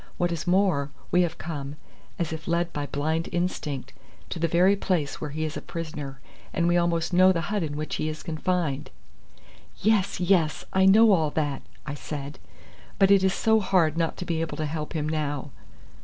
What is more, we have come, as if led by blind instinct, to the very place where he is a prisoner, and we almost know the hut in which he is confined." "Yes, yes. I know all that," I said; "but it is so hard not to be able to help him now."